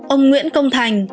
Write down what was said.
ông nguyễn công thành